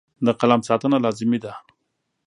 د قلم ساتنه لازمي ده.